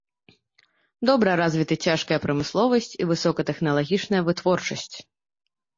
Добра развіты цяжкая прамысловасць і высокатэхналагічная вытворчасць.